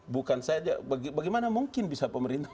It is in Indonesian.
bukan saja bagaimana mungkin bisa pemerintah